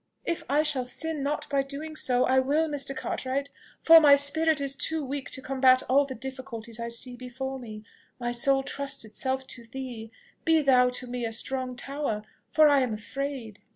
"If I shall sin not by doing so, I will, Mr. Cartwright; for my spirit is too weak to combat all the difficulties I see before me. My soul trusts itself to thee be thou to me a strong tower, for I am afraid."